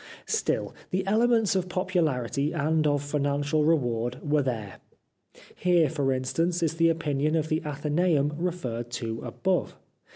Still the elements of popularity and of financial reward were there. Here, for instance, is the opinion of the Athenceum referred to above.